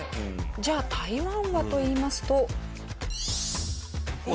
じゃあ台湾は？といいますと。